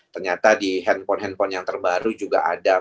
ternyata di handphone handphone yang terbaru juga ada